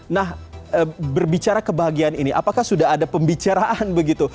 nah berbicara kebahagiaan ini apakah sudah ada pembicaraan begitu